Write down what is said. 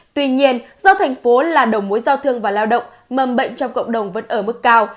tuy nhiên do thành phố là đầu mối giao thương và lao động mầm bệnh trong cộng đồng vẫn ở mức cao